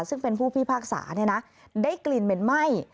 ซึ่งเป็นผู้พิพากษาได้กลิ่นเหม็นไหม้